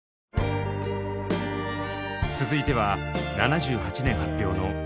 続いては７８年発表の「化粧」。